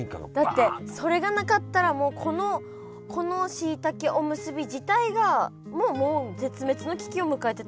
だってそれがなかったらもうこのこのしいたけおむすび自体ももう絶滅の危機を迎えてたかもしれないじゃないですか。